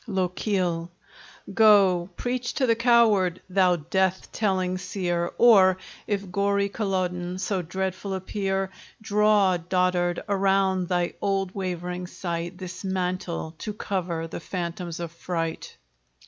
LOCHIEL Go, preach to the coward, thou death telling seer! Or, if gory Culloden so dreadful appear, Draw, dotard, around thy old wavering sight This mantle, to cover the phantoms of fright.